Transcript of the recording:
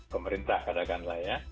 pemerintah kadang kadang lah ya